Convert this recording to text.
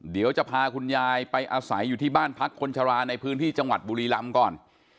เดี๋ยวจะพาคุณยายไปอาศัยอยู่ที่บ้านพักคนชราในพื้นที่จังหวัดบุรีรำก่อน